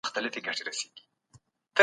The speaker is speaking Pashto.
ډیپلوماټیک معافیت د قانون ماتولو مانا نه لري.